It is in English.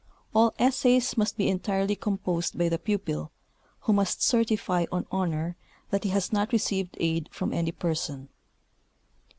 All essays must be entirely composed by the student, who must cer tify on honor that he has not received aid from any person.